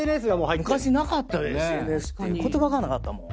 言葉がなかったもん。